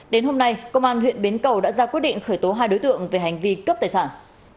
đến hôm nay công an huyện bến cầu đã ra quyết định khởi tố hai đối tượng về hành vi cướp tài sản